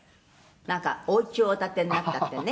「なんかお家をお建てになったってね」